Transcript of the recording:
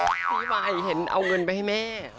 ปีใหม่เห็นเอาเงินไปให้แม่